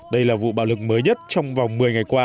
đây là vụ bạo lực mới nhất trong vòng một mươi ngày qua